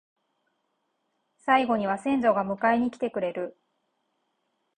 最期には先祖が迎えに来てくれる